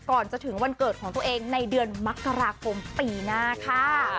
ก่อนจะถึงวันเกิดของตัวเองในเดือนมกราคมปีหน้าค่ะ